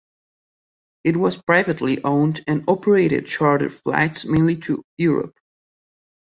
It was privately owned and operated charter flights mainly to Europe.